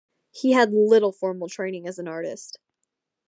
He had little formal training as an artist.